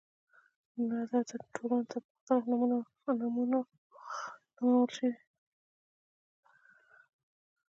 نظر د ټولنو ته په مختلفو نمونو نومول شوي.